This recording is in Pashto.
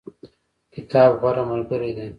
کتاب غوره ملګری دی